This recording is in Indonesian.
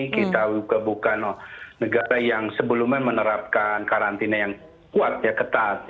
kita bukan negara yang sebelumnya menerapkan karantina yang kuat ya ketat